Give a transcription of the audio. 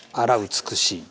美しい。